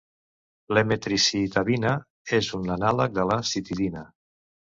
L'emetricitabina és un anàleg de la citidina.